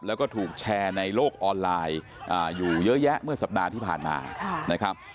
แล้วก็ถูกแชร์ในโลกออนไลน์อยู่เยอะแยะเมื่อสัปดาห์ที่ผ่านมานะครับ